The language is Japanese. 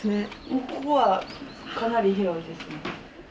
ここはかなり広いですね。